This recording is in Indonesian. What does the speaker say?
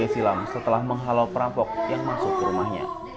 dua ribu tiga silam setelah menghalau perampok yang masuk ke rumahnya